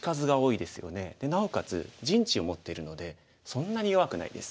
なおかつ陣地を持ってるのでそんなに弱くないです。